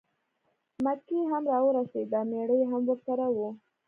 مکۍ هم را ورسېده مېړه یې هم ورسره و.